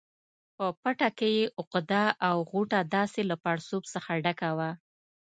په پټه کې یې عقده او غوټه داسې له پړسوب څخه ډکه وه.